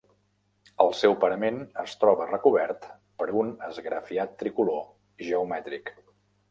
El seu parament es troba recobert per un esgrafiat tricolor geomètric.